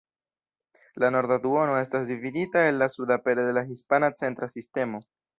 La norda duono estas dividita el la suda pere de la Hispana Centra Sistemo.